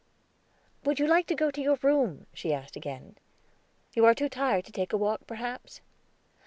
"Would you like to go to your room?" she asked again. "You are too tired to take a walk, perhaps?"